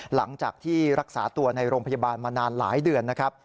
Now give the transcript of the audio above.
หลังจากที่รักษาตัวในโรงพยาบาลมานานหลายเดือนนะครับ